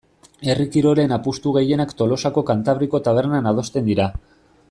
Herri kirolen apustu gehienak Tolosako Kantabriko tabernan adosten dira.